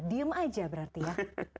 diam saja berarti ya